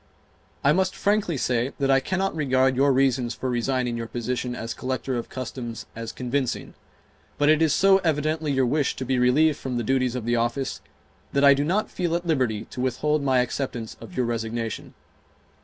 I must frankly say that I cannot regard your reasons for resigning your position as Collector of Customs as convincing, but it is so evidently your wish to be relieved from the duties of the office that I do not feel at liberty to withhold my acceptance of your resignation.